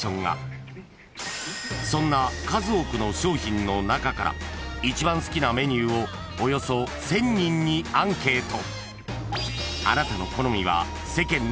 ［そんな数多くの商品の中から一番好きなメニューをおよそ１，０００人にアンケート］